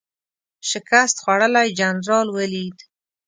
شکست خوړلی جنرال ولید.